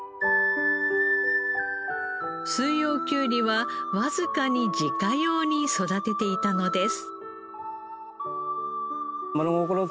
四葉きゅうりはわずかに自家用に育てていたのです。